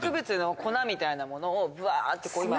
みたいなものをぶわって。